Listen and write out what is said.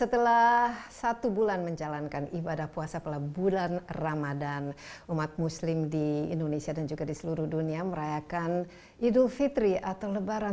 setelah satu bulan menjalankan ibadah puasa setelah bulan ramadan umat muslim di indonesia dan juga di seluruh dunia merayakan idul fitri atau lebaran